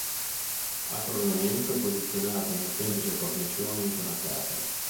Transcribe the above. A coronamento è posizionato un semplice cornicione intonacato.